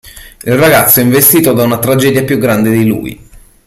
Il ragazzo è investito da una tragedia più grande di lui.